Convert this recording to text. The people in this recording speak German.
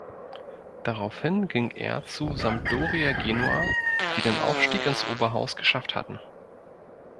Daraufhin ging er zu Sampdoria Genua, die den Aufstieg ins Oberhaus geschafft hatten.